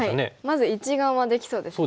まず１眼はできそうですね。